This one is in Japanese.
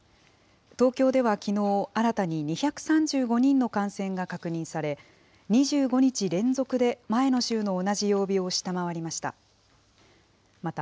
東京ではきのう、新たに２３５人の感染が確認され、２５日連続で前の週の同じ曜日を下回りました。